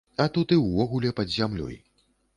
А тут і ўвогуле, пад зямлёй.